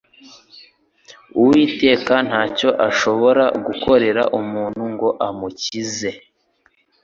Uwiteka ntacyo ashobora gukorera umuntu ngo amukize